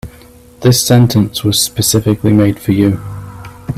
This sentence was specifically made for you.